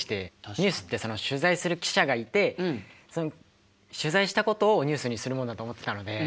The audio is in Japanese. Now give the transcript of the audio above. ニュースって取材する記者がいて取材したことをニュースにするもんだと思ってたので。